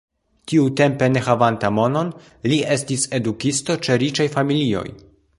Tiutempe ne havanta monon li estis edukisto ĉe riĉaj familioj.